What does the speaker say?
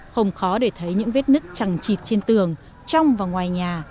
không khó để thấy những vết nứt chẳng chịt trên tường trong và ngoài nhà